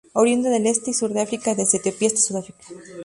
Oriunda del este y sur de África desde Etiopía hasta Sudáfrica.